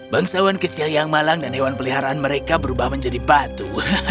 bangsawan kecil yang malang dan hewan peliharaan mereka berubah menjadi batu